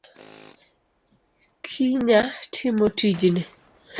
Kinya timo tijni.